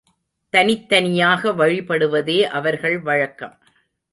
தனித்தனியாக வழிபடுவதே அவர்கள் வழக்கம்.